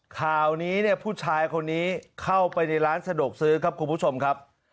ข่าวนี้เนี่ยผู้ชายคนนี้เข้าไปในร้านสะดวกซื้อครับคุณผู้ชมครับ